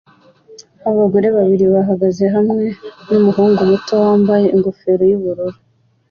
Abagore babiri bahagaze hamwe numuhungu muto wambaye ingofero yubururu